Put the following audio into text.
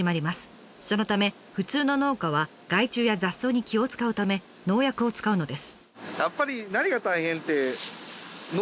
そのため普通の農家は害虫や雑草に気をつかうため農薬を使うのです。